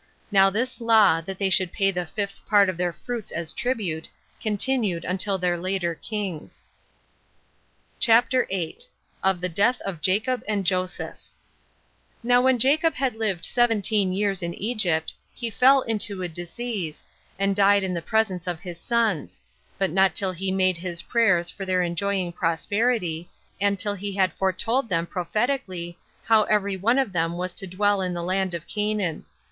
Now this law, that they should pay the fifth part of their fruits as tribute, continued until their later kings. CHAPTER 8. Of The Death Of Jacob And Joseph. 1. Now when Jacob had lived seventeen years in Egypt, he fell into a disease, and died in the presence of his sons; but not till he made his prayers for their enjoying prosperity, and till he had foretold to them prophetically how every one of them was to dwell in the land of Canaan.